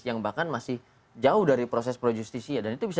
yang bahkan masih jauh dari proses projustis